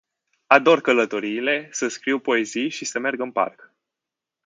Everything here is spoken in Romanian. Ador călătoriile, să scriu poezii și să merg în parc.